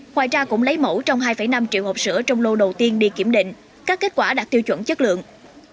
ngoài ra cũng lấy mẫu trong hai năm triệu hộp sữa trong lô đầu tiên đi kiểm định các kết quả đạt tiêu chuẩn chất lượng